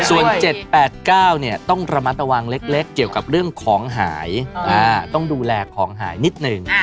ส่วน๗๘๙ต้องระมัดระวังเล็กเกี่ยวกับเรื่องของหายต้องดูแลของหายนิดหนึ่ง